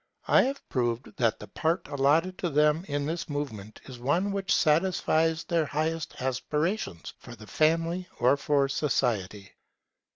I have proved that the part allotted to them in this movement is one which satisfies their highest aspirations for the Family or for Society.